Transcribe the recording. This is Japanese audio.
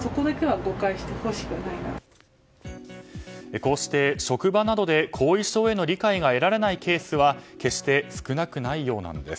こうして職場などで後遺症への理解が得られないケースは決して少なくないようなんです。